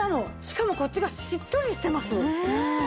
しかもこっちがしっとりしてます。